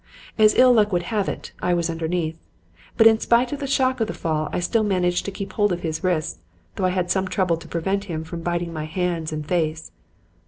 "As ill luck would have it, I was underneath; but, in spite of the shock of the fall, I still managed to keep hold of his wrists, though I had some trouble to prevent him from biting my hands and face.